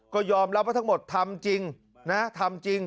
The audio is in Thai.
ก็ยอมรับว่าทั้งหมดทำจริงนะทำจริง